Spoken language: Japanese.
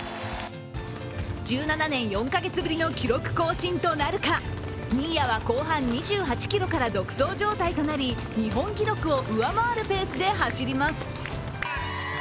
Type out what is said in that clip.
１７年４か月ぶりの記録更新となるか新谷は後半２８ｋｍから独走状態となり日本記録を上回るペースで走ります。